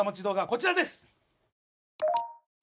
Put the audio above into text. こちらです！